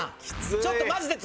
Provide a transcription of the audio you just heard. ちょっとマジで次。